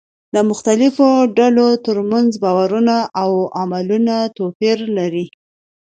د مختلفو ډلو ترمنځ باورونه او عملونه توپير لري.